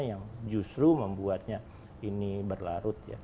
yang justru membuatnya ini berlarut ya